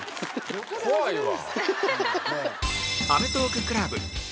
怖いわ。